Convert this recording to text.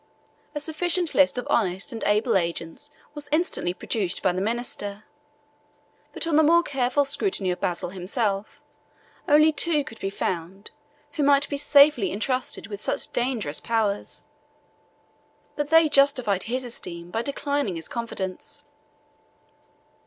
A sufficient list of honest and able agents was instantly produced by the minister; but on the more careful scrutiny of Basil himself, only two could be found, who might be safely intrusted with such dangerous powers; but they justified his esteem by declining his confidence.